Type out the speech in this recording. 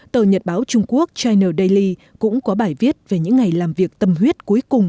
tờ nhật báo trung quốc china daily cũng có bài viết về những ngày làm việc tâm huyết cuối cùng